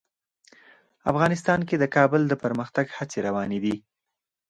افغانستان کې د کابل د پرمختګ هڅې روانې دي.